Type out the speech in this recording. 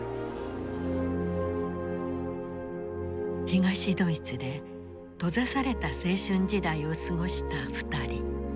東ドイツで閉ざされた青春時代を過ごした２人。